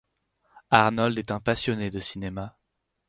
Arnold est un passionné de cinéma.